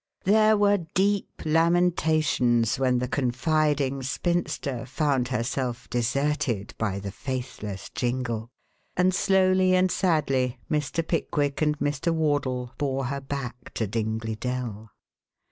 There were deep lamentations when the confiding spinster found herself deserted by the faithless Jingle, and slowly and sadly Mr. Pickwick and Mr. Wardle bore her back to Dingley Dell.